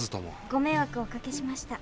ご迷惑をおかけしました。